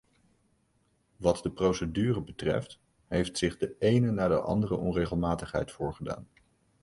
Wat de procedure betreft, heeft zich de ene na de andere onregelmatigheid voorgedaan.